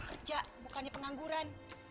ibu berusaha kerja bukannya pengangguran